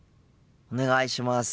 お願いします。